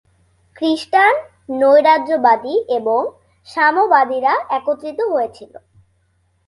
খ্রিস্টান, নৈরাজ্যবাদী এবং সাম্যবাদীরা একত্রিত হয়েছিল।